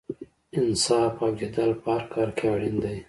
انصاف او اعتدال په هر کار کې اړین دی.